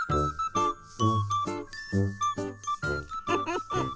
フフフフ。